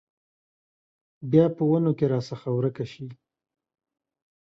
بیا په ونو کې راڅخه ورکه شي